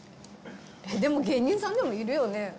でも芸人さんでもいるよね。